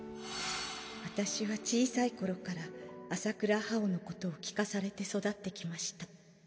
私は小さい頃から麻倉葉王のことを聞かされて育ってきました。